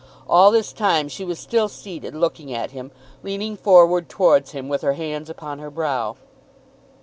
All this time she was still seated, looking at him, leaning forward towards him with her hands upon her brow.